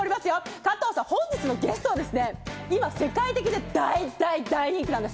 加藤さん、本日のゲストはですね、今、世界的に大大大人気なんです。